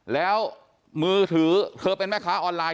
แล้วมือถือเธอเป็นแม่ค้าออนไลน